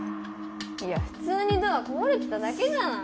いや普通にドア壊れてただけじゃない？